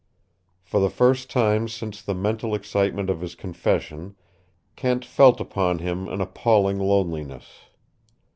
For the first time since the mental excitement of his confession Kent felt upon him an appalling loneliness.